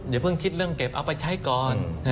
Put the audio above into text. อย่าเพิ่งคิดเรื่องเก็บเอาไปใช้ก่อน